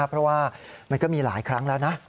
เพราะว่ามันก็มีหลายครั้งแล้วนะ